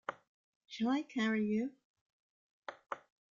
Shall I carry you.